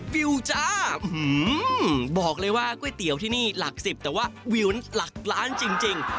วิวจ้าบอกเลยว่าก๋วยเตี๋ยวที่นี่หลัก๑๐แต่ว่าวิวหลักล้านจริง